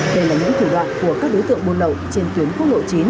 đây là những thủ đoạn của các đối tượng buôn lậu trên tuyến quốc lộ chín